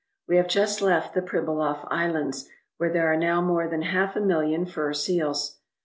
We have just left the Pribilof Islands, where there are now more than half a million fur seals.